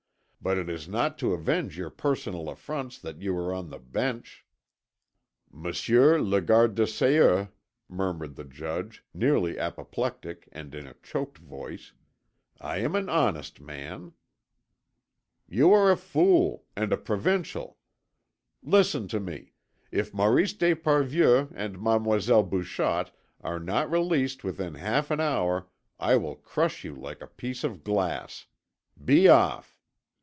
But it is not to avenge your personal affronts that you are on the Bench." "Monsieur le Garde des Sceaux," murmured the Judge, nearly apoplectic and in a choked voice. "I am an honest man." "You are a fool ... and a provincial. Listen to me; if Maurice d'Esparvieu and Mademoiselle Bouchotte are not released within half an hour I will crush you like a piece of glass. Be off!"